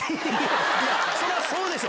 それはそうでしょ。